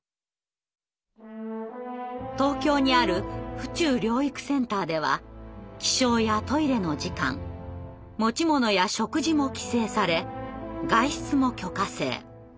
東京にある「府中療育センター」では起床やトイレの時間持ち物や食事も規制され外出も許可制。